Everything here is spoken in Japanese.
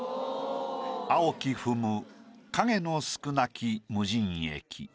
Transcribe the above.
「青き踏む影の少なき無人駅」。